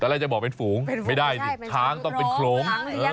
แรกจะบอกเป็นฝูงไม่ได้ดิช้างต้องเป็นโขลง